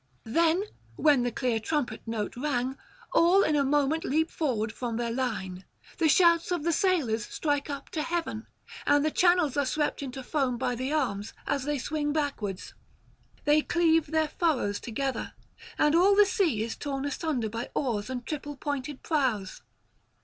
Then, when the clear trumpet note rang, all in a moment leap forward from their line; the shouts of the sailors strike up to heaven, and the channels are swept into foam by the arms as they swing backward. They cleave their furrows together, and all the sea is torn asunder by oars and triple pointed prows.